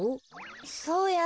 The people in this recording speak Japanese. そうや。